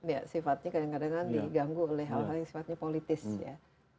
ya sifatnya kadang kadang diganggu oleh hal hal yang sifatnya politis ya